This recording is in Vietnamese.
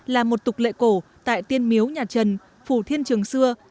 là một tục lệ cổ tại tiên miếu nhà trần phủ thiên trường xưa